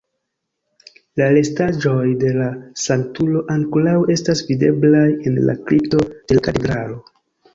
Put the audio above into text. La restaĵoj de la sanktulo ankoraŭ estas videblaj en la kripto de la katedralo.